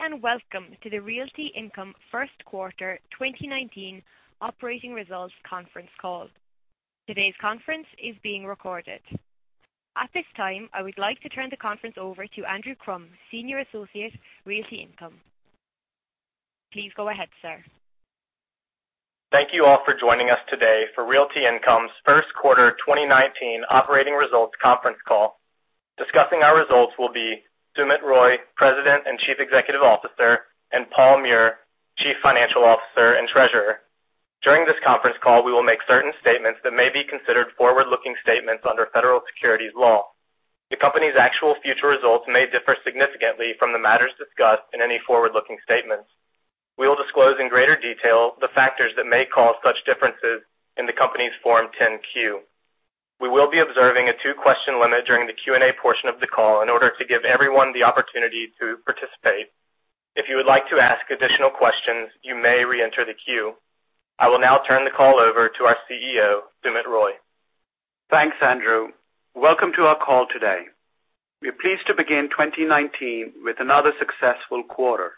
Good day, welcome to the Realty Income First Quarter 2019 Operating Results Conference Call. Today's conference is being recorded. At this time, I would like to turn the conference over to Andrew Crum, Senior Associate, Realty Income. Please go ahead, sir. Thank you all for joining us today for Realty Income's first quarter 2019 operating results conference call. Discussing our results will be Sumit Roy, President and Chief Executive Officer, and Paul Meurer, Chief Financial Officer and Treasurer. During this conference call, we will make certain statements that may be considered forward-looking statements under federal securities law. The company's actual future results may differ significantly from the matters discussed in any forward-looking statements. We will disclose in greater detail the factors that may cause such differences in the company's Form 10-Q. We will be observing a two-question limit during the Q&A portion of the call in order to give everyone the opportunity to participate. If you would like to ask additional questions, you may re-enter the queue. I will now turn the call over to our CEO, Sumit Roy. Thanks, Andrew. Welcome to our call today. We are pleased to begin 2019 with another successful quarter.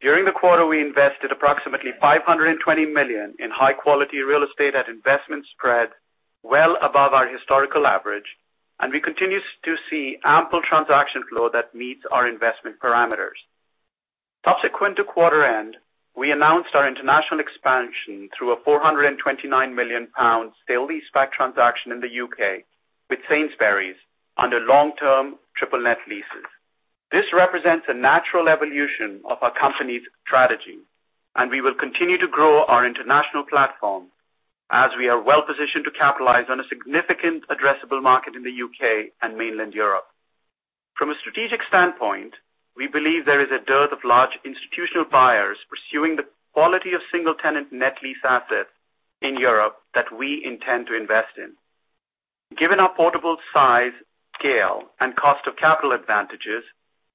During the quarter, we invested approximately $520 million in high-quality real estate at investment spread, well above our historical average. We continue to see ample transaction flow that meets our investment parameters. Subsequent to quarter end, we announced our international expansion through a 429 million pounds sale leaseback transaction in the U.K. with Sainsbury's under long-term triple net leases. This represents a natural evolution of our company's strategy. We will continue to grow our international platform as we are well-positioned to capitalize on a significant addressable market in the U.K. and mainland Europe. From a strategic standpoint, we believe there is a dearth of large institutional buyers pursuing the quality of single-tenant net lease assets in Europe that we intend to invest in. Given our portable size, scale, and cost of capital advantages,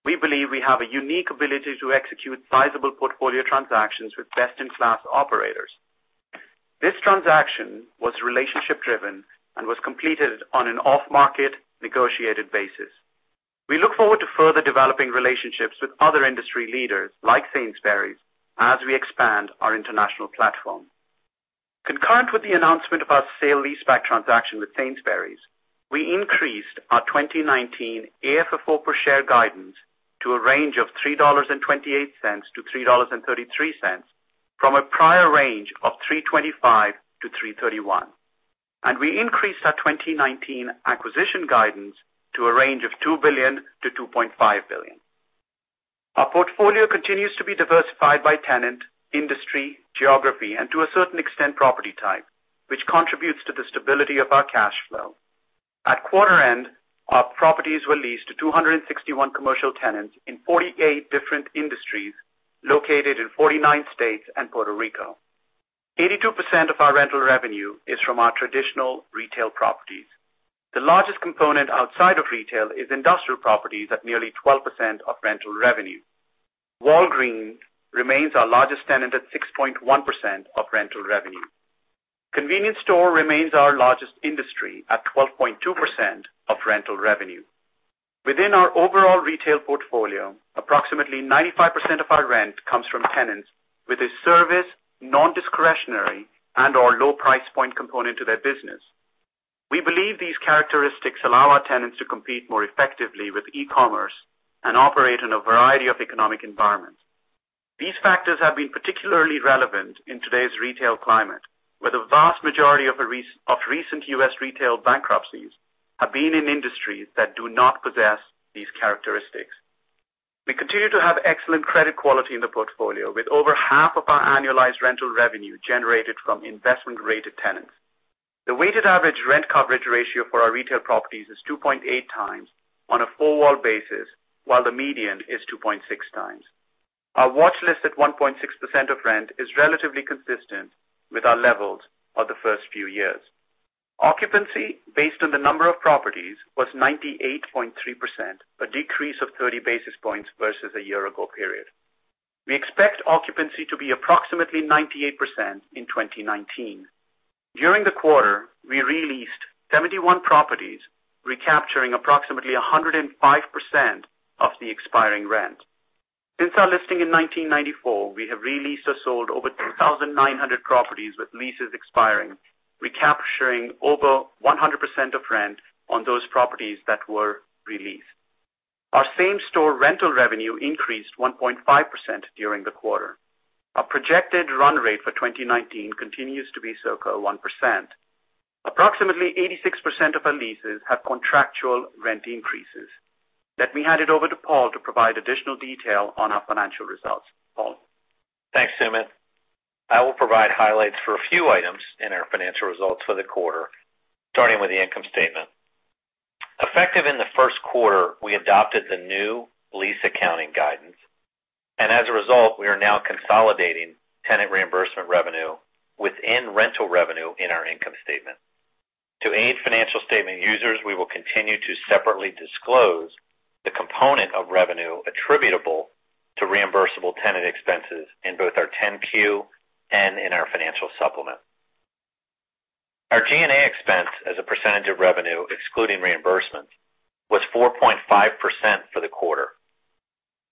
we believe we have a unique ability to execute sizable portfolio transactions with best-in-class operators. This transaction was relationship driven and was completed on an off-market negotiated basis. We look forward to further developing relationships with other industry leaders like Sainsbury's as we expand our international platform. Concurrent with the announcement of our sale leaseback transaction with Sainsbury's, we increased our 2019 AFFO per share guidance to a range of $3.28-$3.33 from a prior range of $3.25-$3.31. We increased our 2019 acquisition guidance to a range of $2 billion-$2.5 billion. Our portfolio continues to be diversified by tenant, industry, geography, and to a certain extent, property type, which contributes to the stability of our cash flow. At quarter end, our properties were leased to 261 commercial tenants in 48 different industries located in 49 states and Puerto Rico. 82% of our rental revenue is from our traditional retail properties. The largest component outside of retail is industrial properties at nearly 12% of rental revenue. Walgreens remains our largest tenant at 6.1% of rental revenue. Convenience store remains our largest industry at 12.2% of rental revenue. Within our overall retail portfolio, approximately 95% of our rent comes from tenants with a service, non-discretionary, and/or low price point component to their business. We believe these characteristics allow our tenants to compete more effectively with e-commerce and operate in a variety of economic environments. These factors have been particularly relevant in today's retail climate, where the vast majority of recent U.S. retail bankruptcies have been in industries that do not possess these characteristics. We continue to have excellent credit quality in the portfolio, with over half of our annualized rental revenue generated from investment-rated tenants. The weighted average rent coverage ratio for our retail properties is 2.8x on a four-wall basis, while the median is 2.6x. Our watch list at 1.6% of rent is relatively consistent with our levels of the first few years. Occupancy based on the number of properties was 98.3%, a decrease of 30 basis points versus a year ago period. We expect occupancy to be approximately 98% in 2019. During the quarter, we re-leased 71 properties, recapturing approximately 105% of the expiring rent. Since our listing in 1994, we have re-leased or sold over 2,900 properties with leases expiring, recapturing over 100% of rent on those properties that were re-leased. Our same store rental revenue increased 1.5% during the quarter. Our projected run rate for 2019 continues to be circa 1%. Approximately 86% of our leases have contractual rent increases. Let me hand it over to Paul to provide additional detail on our financial results. Paul. Thanks, Sumit. I will provide highlights for a few items in our financial results for the quarter, starting with the income statement. Effective in the first quarter, we adopted the new lease accounting guidance, and as a result, we are now consolidating tenant reimbursement revenue within rental revenue in our income statement. To any financial statement users, we will continue to separately disclose the component of revenue attributable to reimbursable tenant expenses in both our 10-Q and in our financial supplement. Our G&A expense as a percentage of revenue, excluding reimbursements, was 4.5% for the quarter,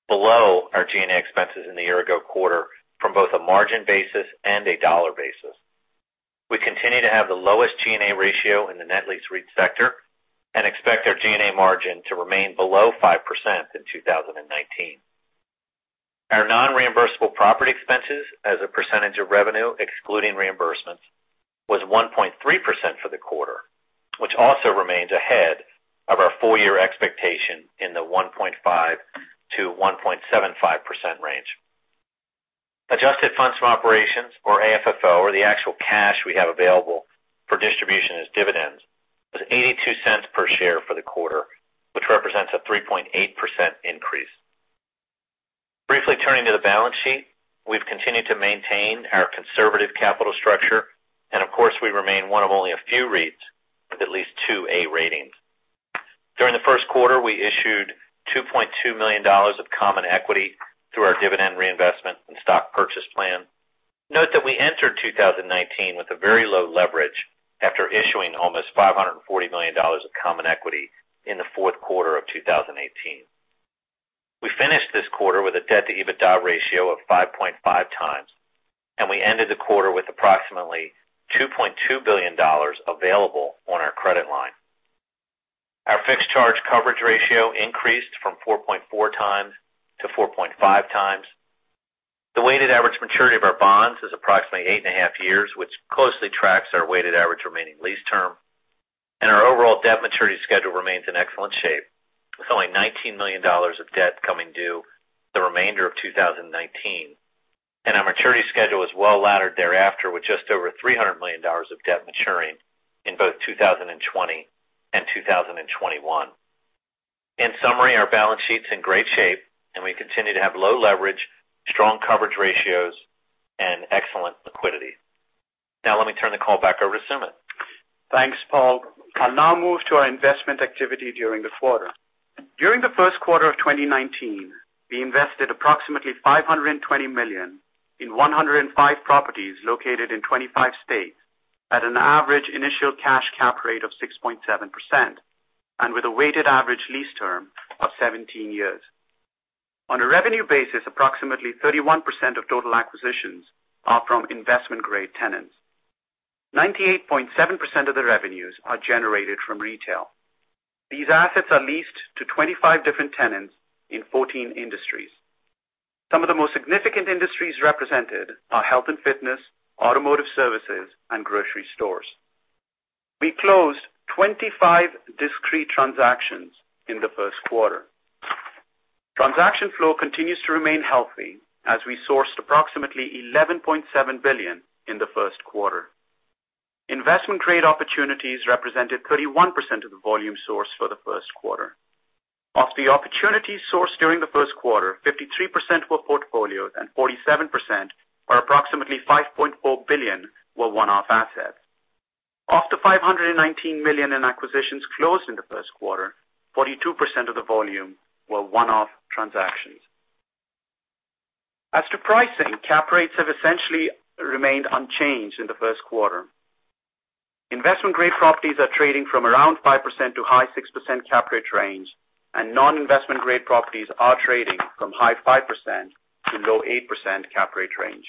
below our G&A expenses in the year-ago quarter from both a margin basis and a dollar basis. We continue to have the lowest G&A ratio in the net lease REIT sector and expect our G&A margin to remain below 5% in 2019. Our non-reimbursable property expenses as a percentage of revenue, excluding reimbursements, was 1.3% for the quarter, which also remains ahead of our full-year expectation in the 1.5%-1.75% range. Adjusted funds from operations or AFFO, or the actual cash we have available for distribution as dividends, was $0.82 per share for the quarter, which represents a 3.8% increase. Briefly turning to the balance sheet. We've continued to maintain our conservative capital structure, and of course, we remain one of only a few REITs with at least two A ratings. During the first quarter, we issued $2.2 million of common equity through our dividend reinvestment and stock purchase plan. Note that we entered 2019 with a very low leverage after issuing almost $540 million of common equity in the fourth quarter of 2018. We finished this quarter with a debt-to-EBITDA ratio of 5.5 times, and we ended the quarter with approximately $2.2 billion available on our credit line. Our fixed charge coverage ratio increased from 4.4 times to 4.5 times. The weighted average maturity of our bonds is approximately eight and a half years, which closely tracks our weighted average remaining lease term. Our overall debt maturity schedule remains in excellent shape with only $19 million of debt coming due the remainder of 2019. Our maturity schedule is well-laddered thereafter with just over $300 million of debt maturing in both 2020 and 2021. In summary, our balance sheet's in great shape, and we continue to have low leverage, strong coverage ratios, and excellent liquidity. Now let me turn the call back over to Sumit. Thanks, Paul. I'll now move to our investment activity during the quarter. During the first quarter of 2019, we invested approximately $520 million in 105 properties located in 25 states at an average initial cash cap rate of 6.7%, and with a weighted average lease term of 17 years. On a revenue basis, approximately 31% of total acquisitions are from investment-grade tenants. 98.7% of the revenues are generated from retail. These assets are leased to 25 different tenants in 14 industries. Some of the most significant industries represented are health and fitness, automotive services, and grocery stores. We closed 25 discrete transactions in the first quarter. Transaction flow continues to remain healthy as we sourced approximately $11.7 billion in the first quarter. Investment-grade opportunities represented 31% of the volume source for the first quarter. Of the opportunities sourced during the first quarter, 53% were portfolios and 47%, or approximately $5.4 billion, were one-off assets. Of the $519 million in acquisitions closed in the first quarter, 42% of the volume were one-off transactions. As to pricing, cap rates have essentially remained unchanged in the first quarter. Investment-grade properties are trading from around 5%-high 6% cap rate range, and non-investment-grade properties are trading from high 5%-low 8% cap rate range.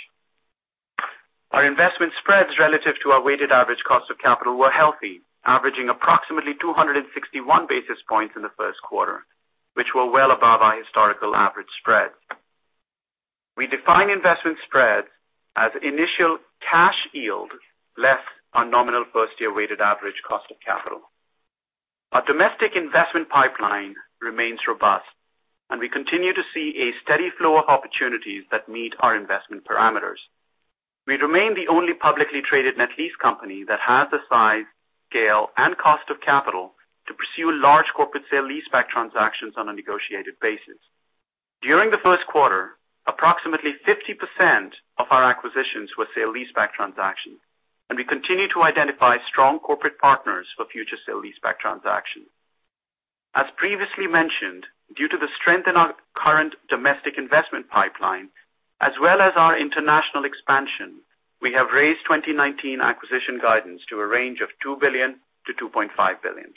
Our investment spreads relative to our weighted average cost of capital were healthy, averaging approximately 261 basis points in the first quarter, which were well above our historical average spreads. We define investment spreads as initial cash yield less our nominal first-year weighted average cost of capital. Our domestic investment pipeline remains robust. We continue to see a steady flow of opportunities that meet our investment parameters. We remain the only publicly traded net lease company that has the size, scale, and cost of capital to pursue large corporate sale-leaseback transactions on a negotiated basis. During the first quarter, approximately 50% of our acquisitions were sale-leaseback transactions. We continue to identify strong corporate partners for future sale-leaseback transactions. As previously mentioned, due to the strength in our current domestic investment pipeline as well as our international expansion, we have raised 2019 acquisition guidance to a range of $2 billion-$2.5 billion.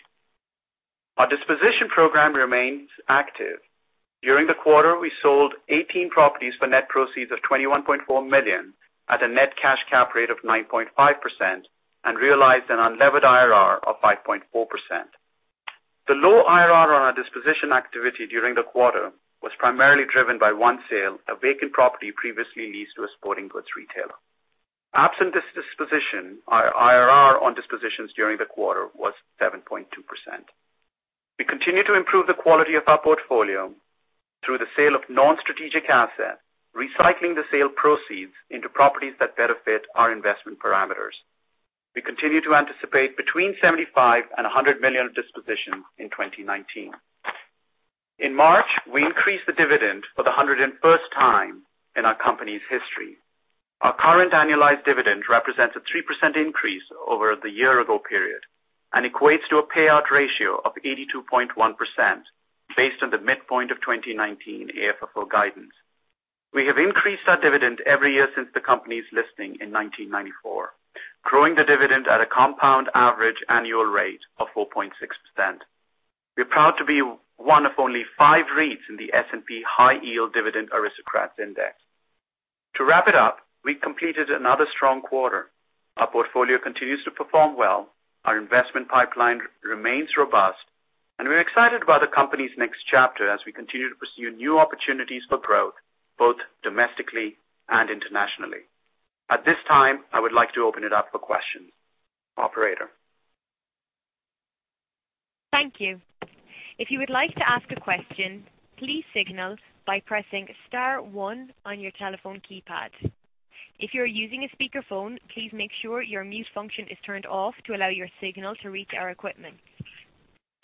Our disposition program remains active. During the quarter, we sold 18 properties for net proceeds of $21.4 million at a net cash cap rate of 9.5% and realized an unlevered IRR of 5.4%. The low IRR on our disposition activity during the quarter was primarily driven by one sale, a vacant property previously leased to a sporting goods retailer. Absent this disposition, our IRR on dispositions during the quarter was 7.2%. We continue to improve the quality of our portfolio through the sale of non-strategic assets, recycling the sale proceeds into properties that better fit our investment parameters. We continue to anticipate between $75 million-$100 million of dispositions in 2019. In March, we increased the dividend for the 101st time in our company's history. Our current annualized dividend represents a 3% increase over the year ago period, and equates to a payout ratio of 82.1%, based on the midpoint of 2019 AFFO guidance. We have increased our dividend every year since the company's listing in 1994, growing the dividend at a compound average annual rate of 4.6%. We are proud to be one of only five REITs in the S&P High Yield Dividend Aristocrats Index. To wrap it up, we completed another strong quarter. Our portfolio continues to perform well. Our investment pipeline remains robust. We're excited about the company's next chapter as we continue to pursue new opportunities for growth, both domestically and internationally. At this time, I would like to open it up for questions. Operator? Thank you. If you would like to ask a question, please signal by pressing *1 on your telephone keypad. If you are using a speakerphone, please make sure your mute function is turned off to allow your signal to reach our equipment.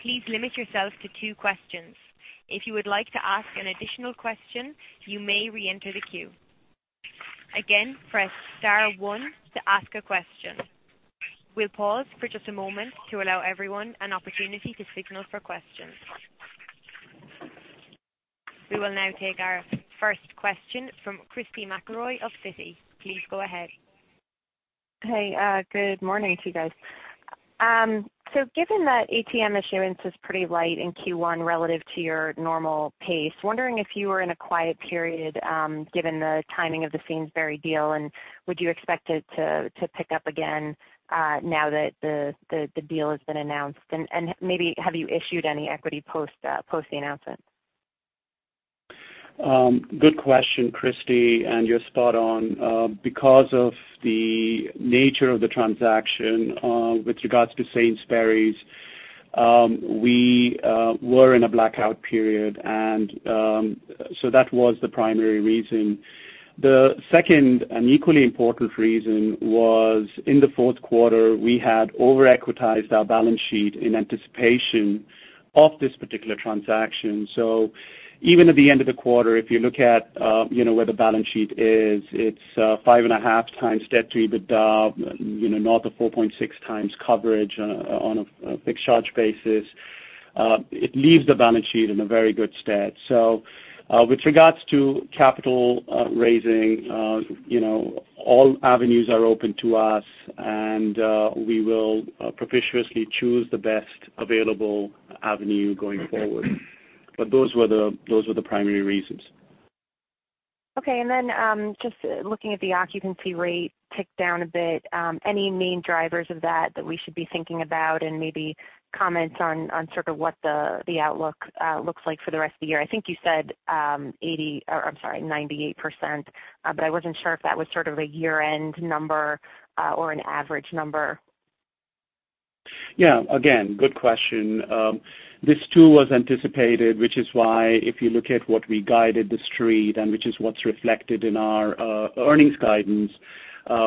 Please limit yourself to two questions. If you would like to ask an additional question, you may reenter the queue. Again, press *1 to ask a question. We will pause for just a moment to allow everyone an opportunity to signal for questions. We will now take our first question from Christy McElroy of Citi. Please go ahead. Hey, good morning to you guys. Given that ATM issuance is pretty light in Q1 relative to your normal pace, wondering if you were in a quiet period, given the timing of the Sainsbury deal, would you expect it to pick up again now that the deal has been announced? Maybe have you issued any equity post the announcement? Good question, Christy, you're spot on. Because of the nature of the transaction with regards to Sainsbury's, we were in a blackout period, that was the primary reason. The second and equally important reason was in the fourth quarter, we had over-equitized our balance sheet in anticipation of this particular transaction. Even at the end of the quarter, if you look at where the balance sheet is, it's 5.5 times debt to EBITDA, north of 4.6 times coverage on a fixed charge basis. It leaves the balance sheet in a very good state. With regards to capital raising, all avenues are open to us, and we will judiciously choose the best available avenue going forward. Those were the primary reasons. Okay. Just looking at the occupancy rate ticked down a bit. Any main drivers of that that we should be thinking about and maybe comments on sort of what the outlook looks like for the rest of the year? I think you said 80, or I'm sorry, 98%, I wasn't sure if that was sort of a year-end number or an average number. Yeah. Again, good question. This too was anticipated, which is why if you look at what we guided the street and which is what's reflected in our earnings guidance,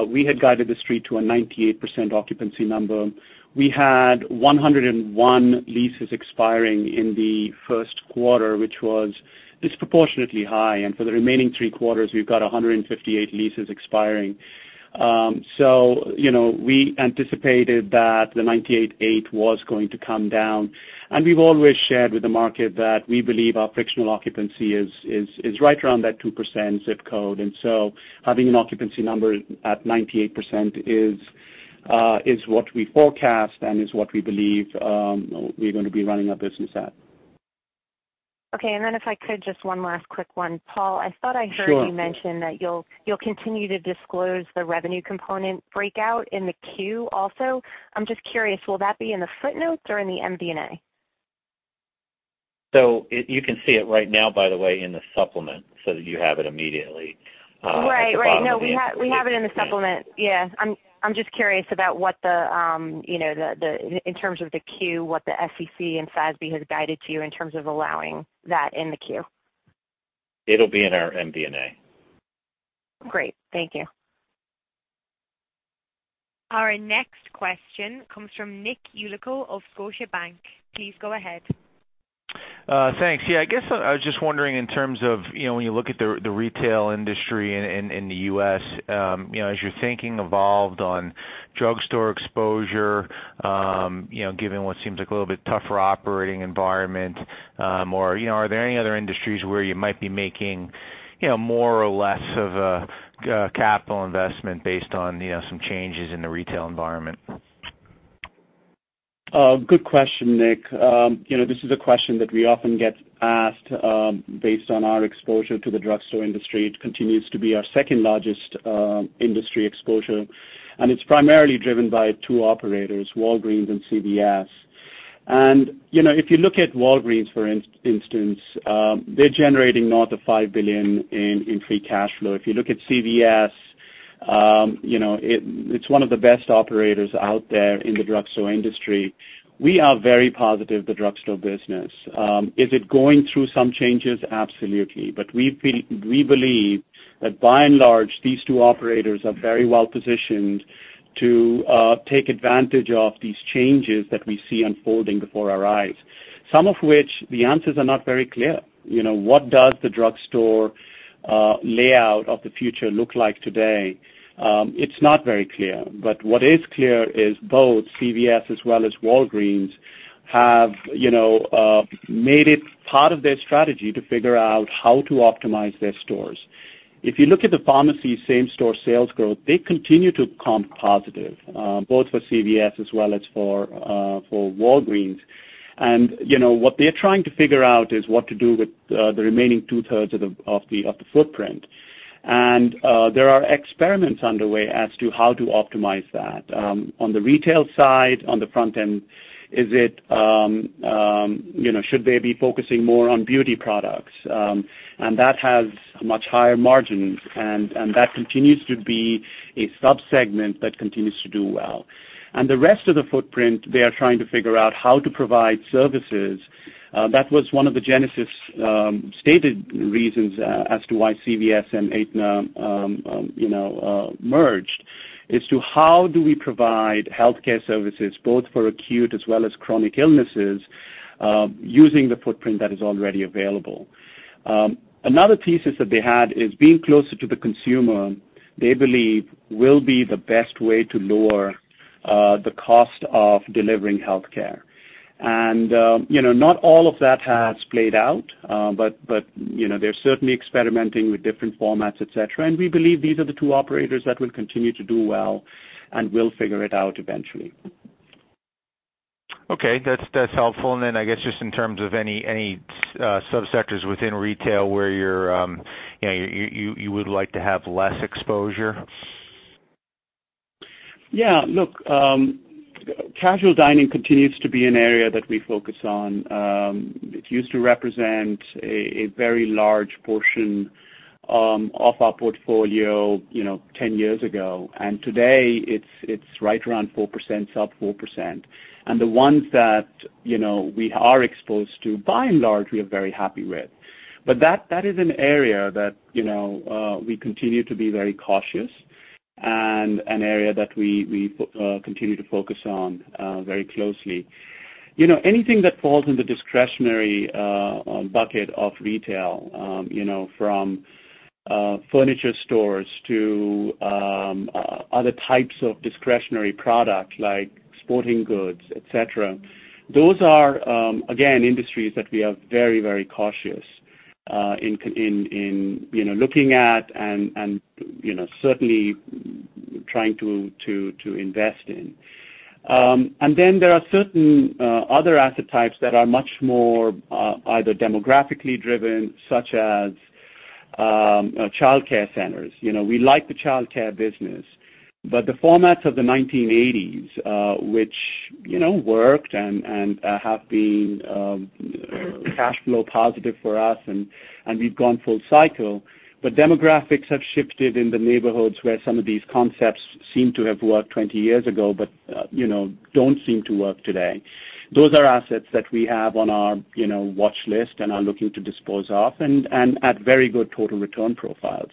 we had guided the street to a 98% occupancy number. We had 101 leases expiring in the first quarter, which was disproportionately high, and for the remaining three quarters, we've got 158 leases expiring. We anticipated that the 98.8% was going to come down, and we've always shared with the market that we believe our frictional occupancy is right around that 2% ZIP code. Having an occupancy number at 98% is what we forecast and is what we believe we're going to be running our business at. Okay. If I could just one last quick one. Paul- Sure I thought I heard you mention that you'll continue to disclose the revenue component breakout in the Q also. I'm just curious, will that be in the footnotes or in the MD&A? You can see it right now, by the way, in the supplement, so that you have it immediately. Right. At the bottom of the. No, we have it in the supplement. Yeah. I'm just curious about in terms of the Q, what the SEC and FASB has guided you in terms of allowing that in the Q. It'll be in our MD&A. Great. Thank you. Our next question comes from Nick Yulico of Scotiabank. Please go ahead. Thanks. Yeah, I guess I was just wondering in terms of when you look at the retail industry in the U.S., as your thinking evolved on drugstore exposure given what seems like a little bit tougher operating environment, or are there any other industries where you might be making more or less of a capital investment based on some changes in the retail environment? Good question, Nick. This is a question that we often get asked based on our exposure to the drugstore industry. It continues to be our second largest industry exposure, and it's primarily driven by two operators, Walgreens and CVS. If you look at Walgreens, for instance, they're generating north of $5 billion in free cash flow. If you look at CVS, it's one of the best operators out there in the drugstore industry. We are very positive the drugstore business. Is it going through some changes? Absolutely. We believe that by and large, these two operators are very well positioned to take advantage of these changes that we see unfolding before our eyes, some of which the answers are not very clear. What does the drugstore layout of the future look like today? It's not very clear, what is clear is both CVS as well as Walgreens have made it part of their strategy to figure out how to optimize their stores. If you look at the pharmacy same-store sales growth, they continue to comp positive, both for CVS as well as for Walgreens. What they're trying to figure out is what to do with the remaining two-thirds of the footprint. There are experiments underway as to how to optimize that. On the retail side, on the front end, should they be focusing more on beauty products? That has much higher margins, and that continues to be a sub-segment that continues to do well. The rest of the footprint, they are trying to figure out how to provide services. That was one of the genesis stated reasons as to why CVS and Aetna merged. As to how do we provide healthcare services both for acute as well as chronic illnesses, using the footprint that is already available. Another thesis that they had is being closer to the consumer, they believe will be the best way to lower the cost of delivering healthcare. Not all of that has played out. They're certainly experimenting with different formats, et cetera. We believe these are the two operators that will continue to do well and will figure it out eventually. Okay. That's helpful. Then, I guess, just in terms of any sub-sectors within retail where you would like to have less exposure? Yeah. Look, casual dining continues to be an area that we focus on. It used to represent a very large portion of our portfolio 10 years ago. Today it's right around 4%, sub 4%. The ones that we are exposed to, by and large, we are very happy with. That is an area that we continue to be very cautious and an area that we continue to focus on very closely. Anything that falls in the discretionary bucket of retail, from furniture stores to other types of discretionary products like sporting goods, et cetera, those are, again, industries that we are very cautious in looking at and certainly trying to invest in. Then there are certain other asset types that are much more either demographically driven, such as childcare centers. We like the childcare business. The formats of the 1980s, which worked and have been cash flow positive for us and we've gone full cycle, but demographics have shifted in the neighborhoods where some of these concepts seem to have worked 20 years ago, but don't seem to work today. Those are assets that we have on our watch list and are looking to dispose of and at very good total return profiles.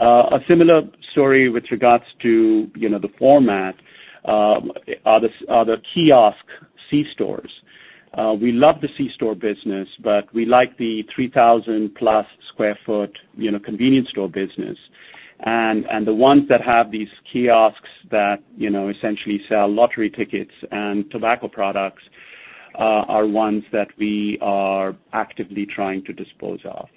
A similar story with regards to the format are the kiosk C-stores. We love the C-store business, but we like the 3,000-plus square foot convenience store business. The ones that have these kiosks that essentially sell lottery tickets and tobacco products are ones that we are actively trying to dispose of.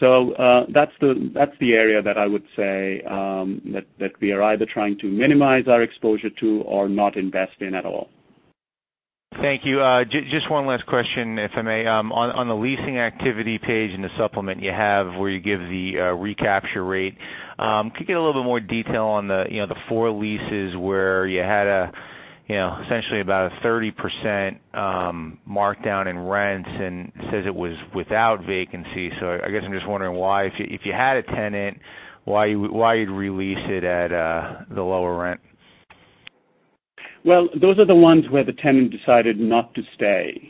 That's the area that I would say that we are either trying to minimize our exposure to or not invest in at all. Thank you. Just one last question, if I may. On the leasing activity page in the supplement you have where you give the recapture rate, could I get a little bit more detail on the four leases where you had essentially about a 30% markdown in rents and says it was without vacancy. I guess I'm just wondering why, if you had a tenant, why you'd re-lease it at the lower rent? Well, those are the ones where the tenant decided not to stay.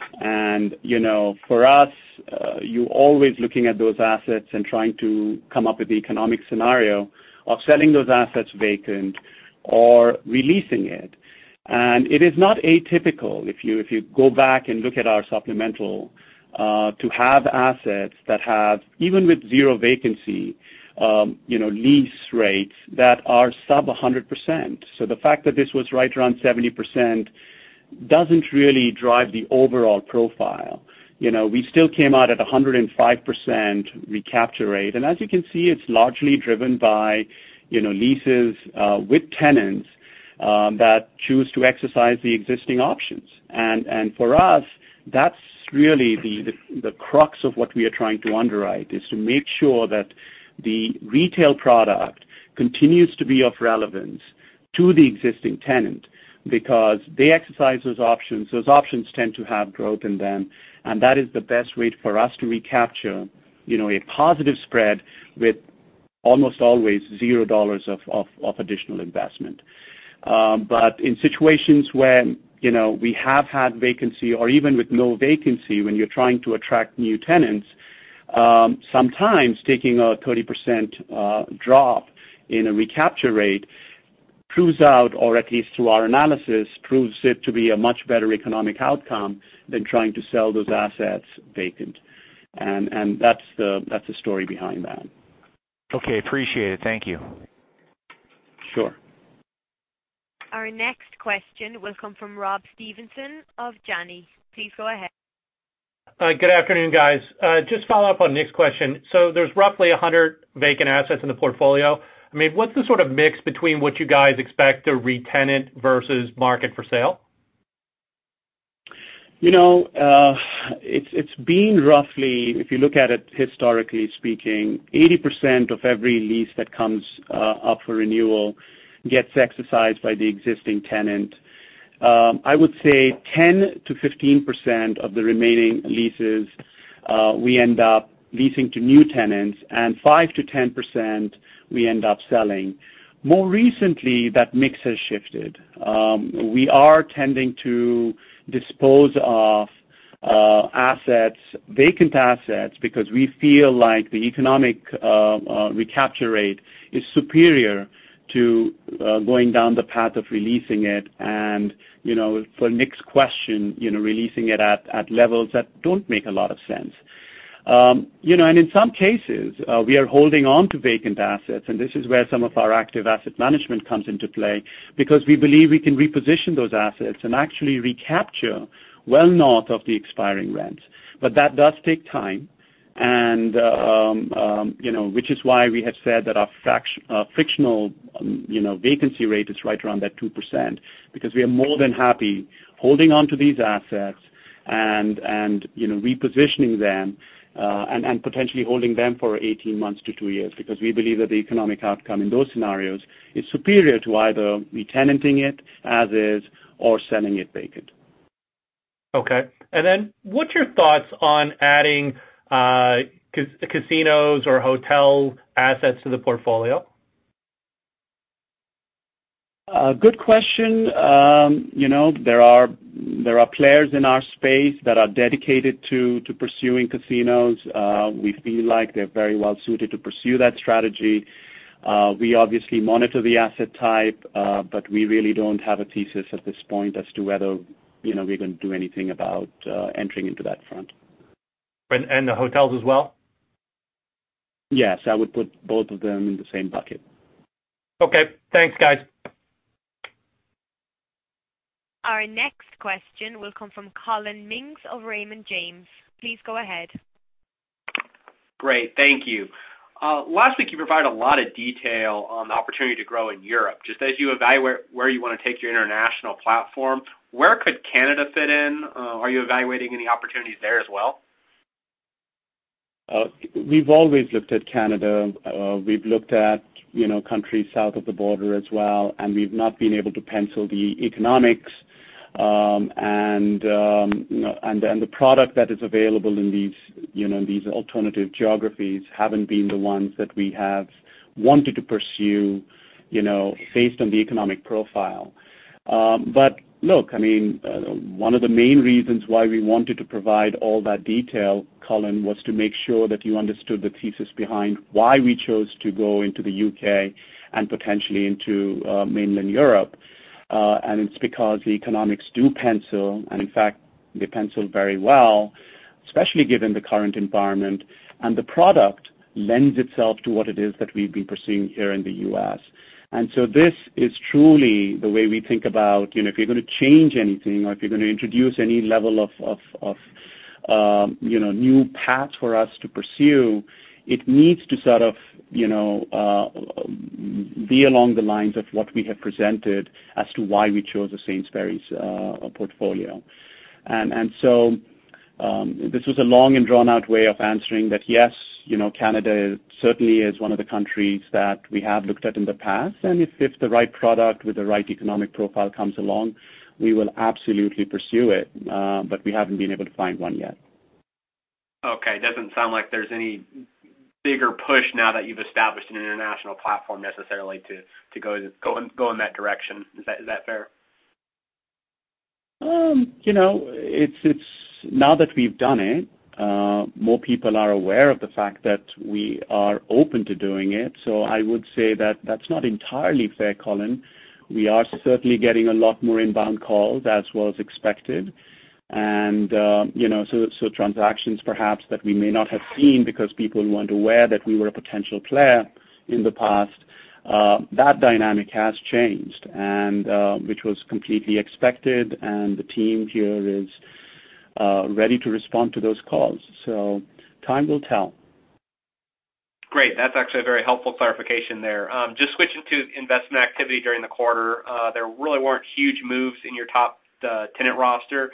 For us, you're always looking at those assets and trying to come up with the economic scenario of selling those assets vacant or re-leasing it. It is not atypical, if you go back and look at our supplemental, to have assets that have, even with zero vacancy, lease rates that are sub 100%. The fact that this was right around 70% doesn't really drive the overall profile. We still came out at 105% recapture rate. As you can see, it's largely driven by leases with tenants that choose to exercise the existing options. For us, that's really the crux of what we are trying to underwrite, is to make sure that the retail product continues to be of relevance to the existing tenant because they exercise those options. Those options tend to have growth in them, that is the best way for us to recapture a positive spread with almost always $0 of additional investment. In situations when we have had vacancy or even with no vacancy, when you're trying to attract new tenants. Sometimes taking a 30% drop in a recapture rate proves out, or at least through our analysis, proves it to be a much better economic outcome than trying to sell those assets vacant. That's the story behind that. Okay. Appreciate it. Thank you. Sure. Our next question will come from Rob Stevenson of Janney. Please go ahead. Good afternoon, guys. Just follow up on Nick's question. There's roughly 100 vacant assets in the portfolio. What's the sort of mix between what you guys expect to re-tenant versus market for sale? It's been roughly, if you look at it historically speaking, 80% of every lease that comes up for renewal gets exercised by the existing tenant. I would say 10%-15% of the remaining leases, we end up leasing to new tenants, and 5%-10%, we end up selling. More recently, that mix has shifted. We are tending to dispose of vacant assets because we feel like the economic recapture rate is superior to going down the path of re-leasing it and, for Nick's question, re-leasing it at levels that don't make a lot of sense. In some cases, we are holding on to vacant assets, and this is where some of our active asset management comes into play because we believe we can reposition those assets and actually recapture well north of the expiring rents. That does take time, which is why we have said that our frictional vacancy rate is right around that 2%, because we are more than happy holding onto these assets and repositioning them, and potentially holding them for 18 months to two years. We believe that the economic outcome in those scenarios is superior to either re-tenanting it as is or selling it vacant. Okay. What's your thoughts on adding casinos or hotel assets to the portfolio? Good question. There are players in our space that are dedicated to pursuing casinos. We feel like they're very well-suited to pursue that strategy. We obviously monitor the asset type, but we really don't have a thesis at this point as to whether we're going to do anything about entering into that front. The hotels as well? Yes, I would put both of them in the same bucket. Okay. Thanks, guys. Our next question will come from Collin Mings of Raymond James. Please go ahead. Great. Thank you. Last week, you provided a lot of detail on the opportunity to grow in Europe. Just as you evaluate where you want to take your international platform, where could Canada fit in? Are you evaluating any opportunities there as well? We've always looked at Canada. We've looked at countries south of the border as well. We've not been able to pencil the economics. The product that is available in these alternative geographies haven't been the ones that we have wanted to pursue based on the economic profile. Look, one of the main reasons why we wanted to provide all that detail, Collin, was to make sure that you understood the thesis behind why we chose to go into the U.K. and potentially into mainland Europe. It's because the economics do pencil, and in fact, they pencil very well, especially given the current environment. The product lends itself to what it is that we've been pursuing here in the U.S. This is truly the way we think about if you're going to change anything or if you're going to introduce any level of new paths for us to pursue, it needs to sort of be along the lines of what we have presented as to why we chose the Sainsbury's portfolio. This was a long and drawn-out way of answering that yes, Canada certainly is one of the countries that we have looked at in the past. If the right product with the right economic profile comes along, we will absolutely pursue it. We haven't been able to find one yet. Okay. It doesn't sound like there's any bigger push now that you've established an international platform necessarily to go in that direction. Is that fair? Now that we've done it, more people are aware of the fact that we are open to doing it. I would say that that's not entirely fair, Collin. We are certainly getting a lot more inbound calls as was expected. Transactions perhaps that we may not have seen because people weren't aware that we were a potential player in the past, that dynamic has changed. Which was completely expected, and the team here is ready to respond to those calls. Time will tell. Great. That's actually a very helpful clarification there. Just switching to investment activity during the quarter. There really weren't huge moves in your top tenant roster.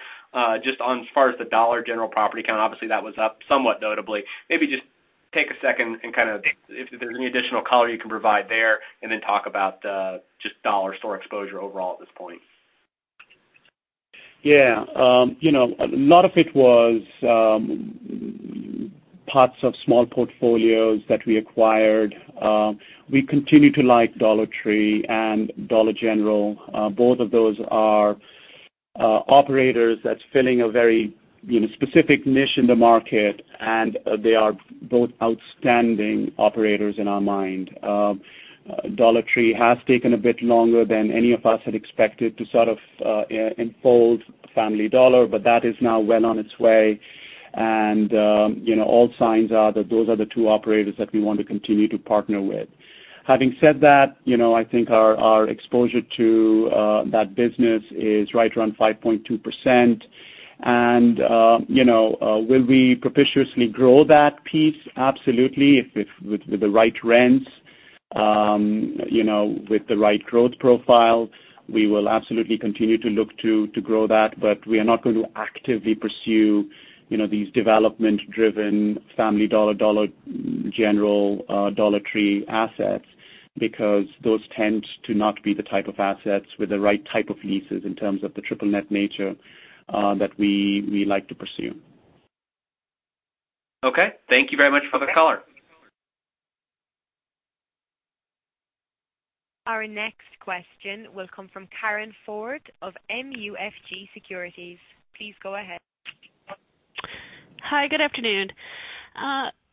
Just on as far as the Dollar General property count, obviously that was up somewhat notably. Maybe just take a second and if there's any additional color you can provide there, and then talk about just dollar store exposure overall at this point. Yeah. A lot of it was parts of small portfolios that we acquired. We continue to like Dollar Tree and Dollar General. Both of those are operators that's filling a very specific niche in the market, and they are both outstanding operators in our mind. Dollar Tree has taken a bit longer than any of us had expected to sort of enfold Family Dollar, but that is now well on its way. All signs are that those are the two operators that we want to continue to partner with. Having said that, I think our exposure to that business is right around 5.2%. Will we propitiously grow that piece? Absolutely. With the right rents, with the right growth profile, we will absolutely continue to look to grow that, we are not going to actively pursue these development-driven Family Dollar General, Dollar Tree assets, because those tend to not be the type of assets with the right type of leases in terms of the triple net nature that we like to pursue. Okay. Thank you very much for the color. Our next question will come from Karen Ford of MUFG Securities. Please go ahead. Hi, good afternoon.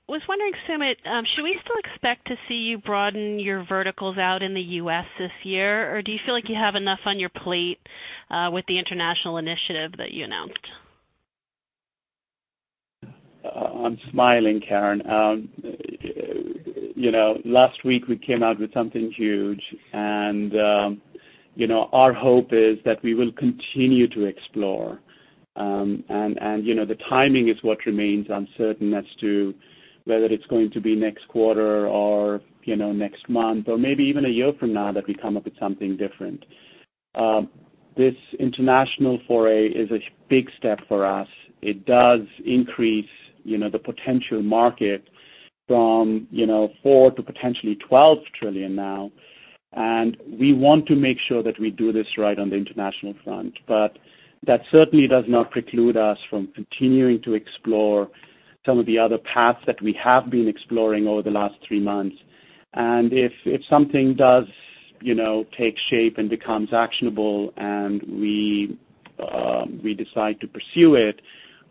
Was wondering, Sumit, should we still expect to see you broaden your verticals out in the U.S. this year? Do you feel like you have enough on your plate with the international initiative that you announced? I'm smiling, Karen. Last week we came out with something huge, our hope is that we will continue to explore. The timing is what remains uncertain as to whether it's going to be next quarter or next month or maybe even a year from now that we come up with something different. This international foray is a big step for us. It does increase the potential market from 4 to potentially 12 trillion now, we want to make sure that we do this right on the international front. That certainly does not preclude us from continuing to explore some of the other paths that we have been exploring over the last 3 months. If something does take shape and becomes actionable and we decide to pursue it,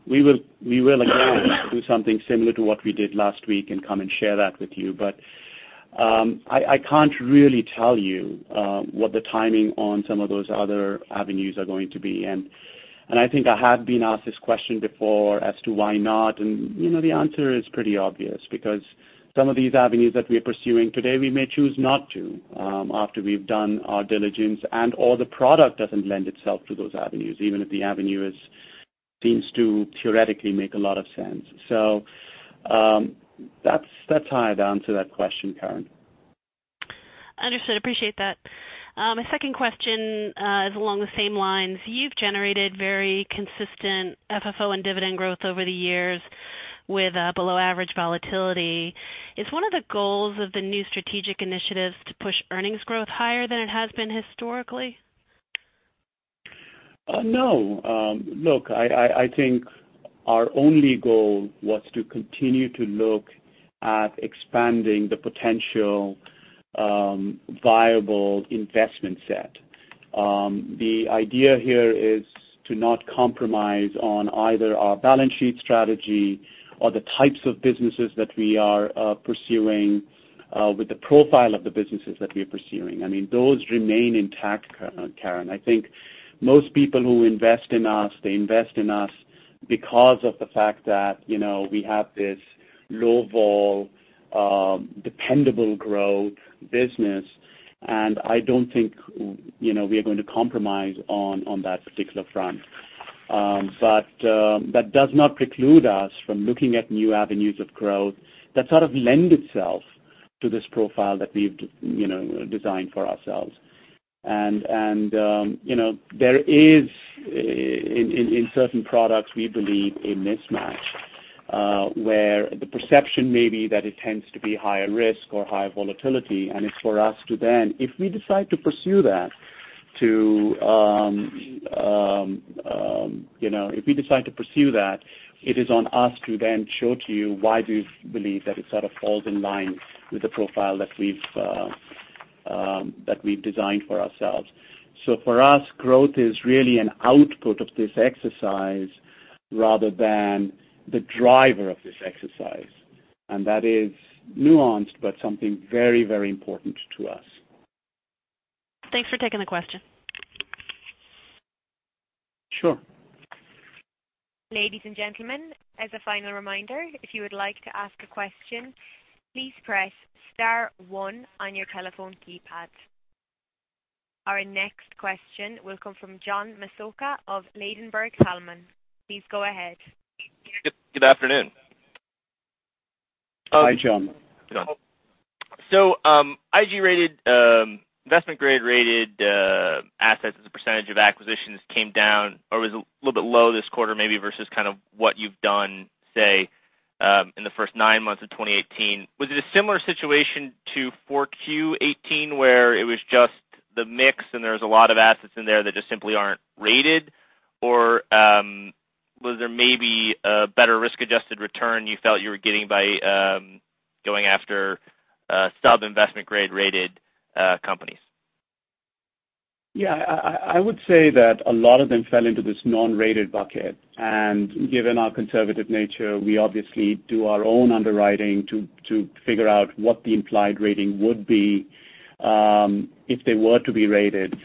we will again do something similar to what we did last week and come and share that with you. I can't really tell you what the timing on some of those other avenues are going to be. I think I have been asked this question before as to why not, and the answer is pretty obvious, because some of these avenues that we're pursuing today, we may choose not to after we've done our diligence and/or the product doesn't lend itself to those avenues, even if the avenue seems to theoretically make a lot of sense. That's how I'd answer that question, Karen. Understood. Appreciate that. My second question is along the same lines. You've generated very consistent FFO and dividend growth over the years with below-average volatility. Is one of the goals of the new strategic initiatives to push earnings growth higher than it has been historically? No. Look, I think our only goal was to continue to look at expanding the potential viable investment set. The idea here is to not compromise on either our balance sheet strategy or the types of businesses that we are pursuing with the profile of the businesses that we are pursuing. Those remain intact, Karen. I think most people who invest in us, they invest in us because of the fact that we have this low vol, dependable growth business, and I don't think we are going to compromise on that particular front. That does not preclude us from looking at new avenues of growth that sort of lend itself to this profile that we've designed for ourselves. There is, in certain products, we believe, a mismatch, where the perception may be that it tends to be higher risk or higher volatility. It's for us to then, if we decide to pursue that, it is on us to then show to you why we believe that it sort of falls in line with the profile that we've designed for ourselves. For us, growth is really an output of this exercise rather than the driver of this exercise. That is nuanced, but something very important to us. Thanks for taking the question. Sure. Ladies and gentlemen, as a final reminder, if you would like to ask a question, please press star one on your telephone keypad. Our next question will come from John Massocca of Ladenburg Thalmann. Please go ahead. Good afternoon. Hi, John. IG-rated, investment grade rated assets as a percentage of acquisitions came down or was a little bit low this quarter maybe versus what you've done, say, in the first nine months of 2018. Was it a similar situation to 4Q 2018, where it was just the mix and there's a lot of assets in there that just simply aren't rated? Was there maybe a better risk-adjusted return you felt you were getting by going after sub-investment grade rated companies? Yeah. I would say that a lot of them fell into this non-rated bucket. Given our conservative nature, we obviously do our own underwriting to figure out what the implied rating would be if they were to be rated.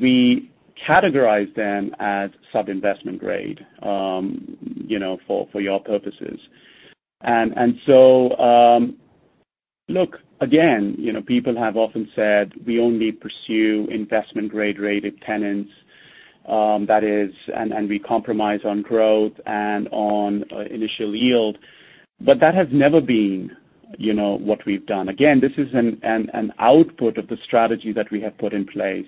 We categorize them as sub-investment grade for your purposes. Look, again, people have often said we only pursue investment grade rated tenants, and we compromise on growth and on initial yield. That has never been what we've done. Again, this is an output of the strategy that we have put in place.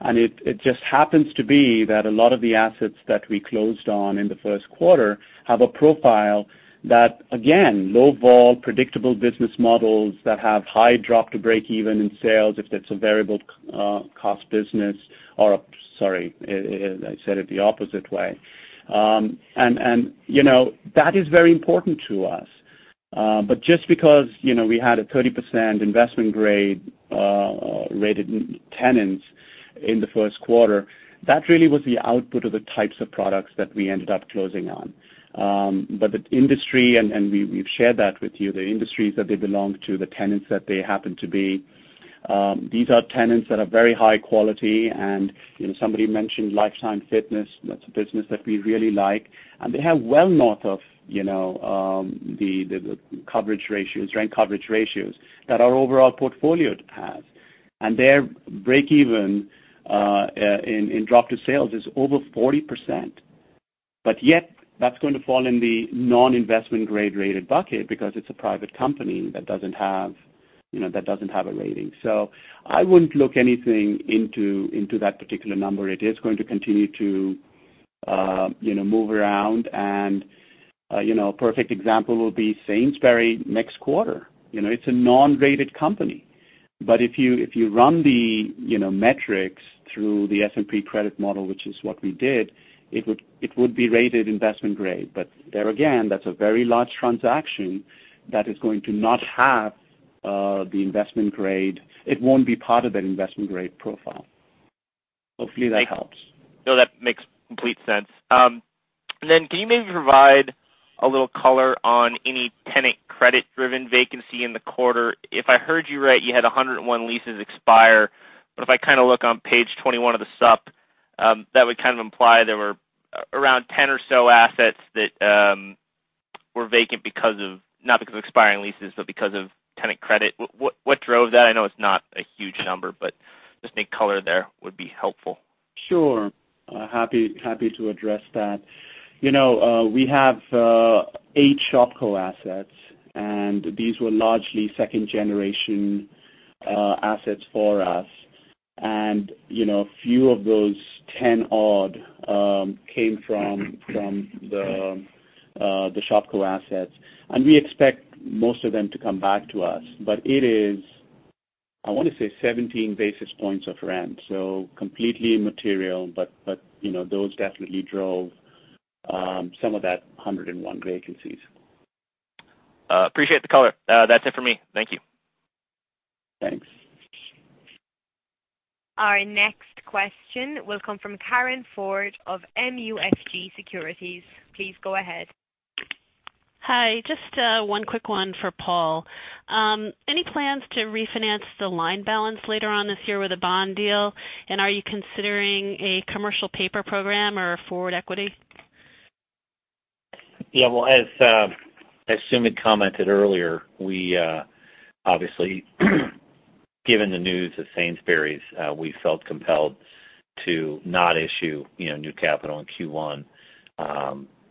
It just happens to be that a lot of the assets that we closed on in the first quarter have a profile that, again, low vol, predictable business models that have high drop to breakeven in sales if it's a variable cost business or Sorry, I said it the opposite way. That is very important to us. Just because we had a 30% investment grade-rated tenants in the first quarter, that really was the output of the types of products that we ended up closing on. The industry, and we've shared that with you, the industries that they belong to, the tenants that they happen to be, these are tenants that are very high quality. Somebody mentioned Life Time Fitness. That's a business that we really like. They have well north of the coverage ratios, rent coverage ratios that our overall portfolio has. Their breakeven in drop to sales is over 40%. Yet, that's going to fall in the non-investment grade-rated bucket because it's a private company that doesn't have a rating. I wouldn't look anything into that particular number. It is going to continue to move around. A perfect example will be Sainsbury's next quarter. It's a non-rated company. If you run the metrics through the S&P credit model, which is what we did, it would be rated investment grade. There again, that's a very large transaction that is going to not have the investment grade. It won't be part of that investment grade profile. Hopefully that helps. No, that makes complete sense. Can you maybe provide a little color on any tenant credit-driven vacancy in the quarter? If I heard you right, you had 101 leases expire. If I look on page 21 of the sup, that would kind of imply there were around 10 or so assets that were vacant not because of expiring leases, but because of tenant credit. What drove that? I know it's not a huge number, but just any color there would be helpful. Sure. Happy to address that. We have eight Shopko assets, and these were largely second-generation assets for us. A few of those 10-odd came from the Shopko assets. We expect most of them to come back to us. It is, I want to say, 17 basis points of rent. Completely immaterial, but those definitely drove some of that 101 vacancies. Appreciate the color. That is it for me. Thank you. Thanks. Our next question will come from Karen Ford of MUFG Securities. Please go ahead. Hi. Just one quick one for Paul. Any plans to refinance the line balance later on this year with a bond deal? Are you considering a commercial paper program or a forward equity? Yeah. Well, as Sumit had commented earlier, we obviously, given the news of Sainsbury's, we felt compelled to not issue new capital in Q1,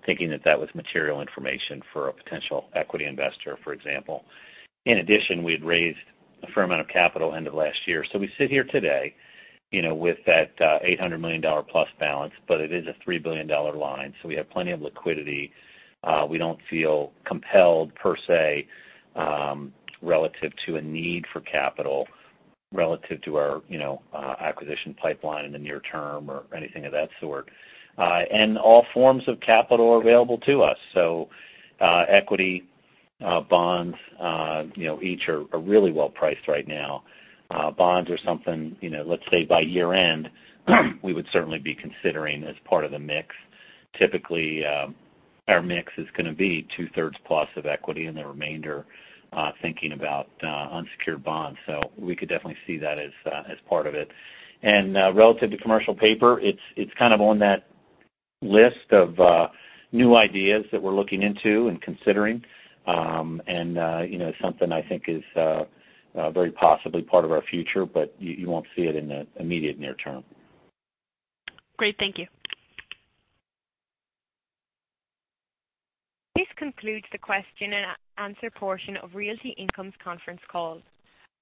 thinking that that was material information for a potential equity investor, for example. In addition, we had raised a fair amount of capital end of last year. We sit here today with that $800 million-plus balance, but it is a $3 billion line. We have plenty of liquidity. We do not feel compelled, per se, relative to a need for capital relative to our acquisition pipeline in the near term or anything of that sort. All forms of capital are available to us. Equity, bonds, each are really well-priced right now. Bonds are something, let us say by year-end, we would certainly be considering as part of the mix. Typically, our mix is going to be two-thirds plus of equity and the remainder thinking about unsecured bonds. We could definitely see that as part of it. Relative to commercial paper, it's kind of on that list of new ideas that we're looking into and considering. Something I think is very possibly part of our future, but you won't see it in the immediate near term. Great. Thank you. This concludes the question and answer portion of Realty Income's conference call.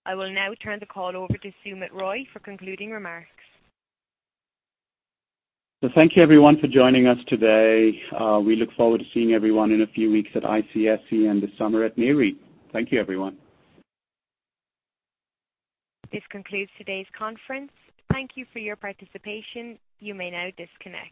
I will now turn the call over to Sumit Roy for concluding remarks. Thank you, everyone, for joining us today. We look forward to seeing everyone in a few weeks at ICSC and this summer at NAREIT. Thank you, everyone. This concludes today's conference. Thank you for your participation. You may now disconnect.